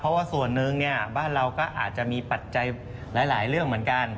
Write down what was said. เพราะว่าส่วนหนึ่งบ้านเราก็อาจจะมีปัจจัยหลายเรื่องเหมือนกัน